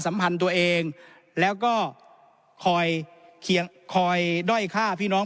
สัมพันธ์ตัวเองแล้วก็คอยเคียงคอยด้อยฆ่าพี่น้อง